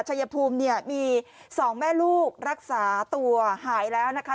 ชายภูมิเนี่ยมี๒แม่ลูกรักษาตัวหายแล้วนะคะ